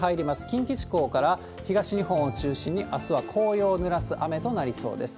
近畿地方から東日本を中心に、あすは紅葉をぬらす雨となりそうです。